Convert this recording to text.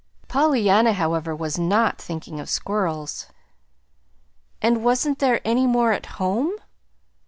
Pollyanna, however, was not thinking of squirrels. "And wasn't there any more at home?"